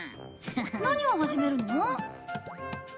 何を始めるの？